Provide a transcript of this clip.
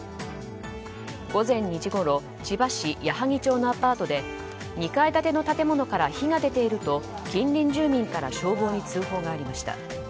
午前２時ごろ千葉市矢作町のアパートで２階建ての建物から火が出ていると近隣住民から消防に通報がありました。